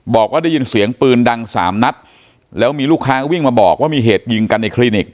บอกว่าได้ยินเสียงปืนดังสามนัดแล้วมีลูกค้าวิ่งมาบอกว่ามีเหตุยิงกันในคลินิก